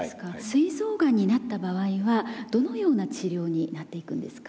すい臓がんになった場合はどのような治療になっていくんですか？